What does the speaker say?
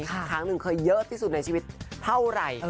แล้วก็ถามอีกนิดนึงเขาเยอะที่สุดในชีวิตเท่าไหร่